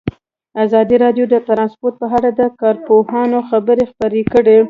ازادي راډیو د ترانسپورټ په اړه د کارپوهانو خبرې خپرې کړي.